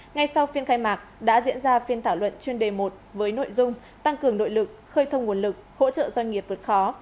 ngay sau phiên khai mạc đã diễn ra phiên thảo luận chuyên đề một với nội dung tăng cường nội lực khơi thông nguồn lực hỗ trợ doanh nghiệp vượt khó